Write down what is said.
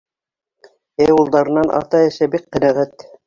Ә улдарынан ата-әсә бик ҡәнәғәт.